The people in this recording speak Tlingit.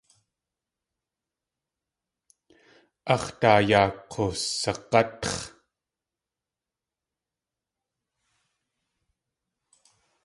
Ax̲ daa yaa k̲usag̲átx̲.